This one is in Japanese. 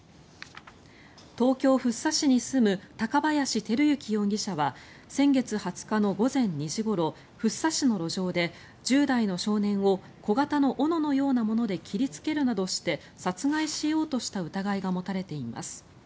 東京・福生市に住む高林輝行容疑者は先月２０日の午前２時ごろ福生市の路上で１０代の少年を小型の斧のようなもので切りつけるなどして殺害しようとした疑いが持たれています。